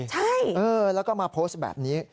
ใช่แล้วก็มาโพสต์แบบนี้